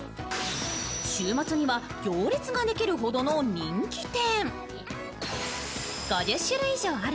週末には、行列ができるほどの人気店。